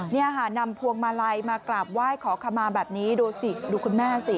นี่ค่ะนำพวงมาลัยมากราบไหว้ขอขมาแบบนี้ดูสิดูคุณแม่สิ